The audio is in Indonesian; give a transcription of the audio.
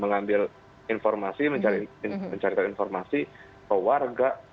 mengambil informasi mencarikan informasi ke warga